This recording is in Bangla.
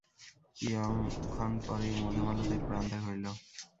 কিয়ং ক্ষণ পরেই মধুমালতীর প্রাণত্যাগ হইল।